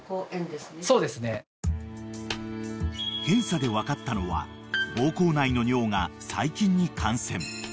［検査で分かったのは膀胱内の尿が細菌に感染］